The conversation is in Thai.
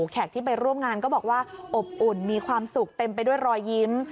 ที่ไปร่วมงานก็บอกว่าอบอุ่นมีความสุขเต็มไปด้วยรอยยิ้ม